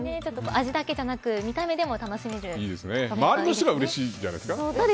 味だけじゃなく、見た目でも周りの人がうれしいんじゃないですか。